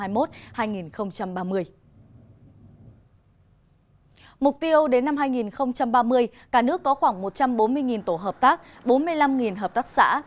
mục tiêu đến năm hai nghìn ba mươi cả nước có khoảng một trăm bốn mươi tổ hợp tác bốn mươi năm hợp tác xã